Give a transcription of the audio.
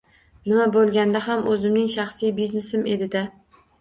Nima bo`lganda ham o`zimning shaxsiy biznesim edi-da